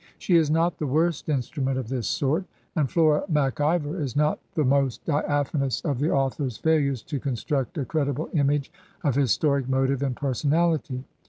She is not the worst instrument of this sort; and Flora Mac Ivor is not the most diaphanous of the author's failures to construct a credible image of his toric motive and personality.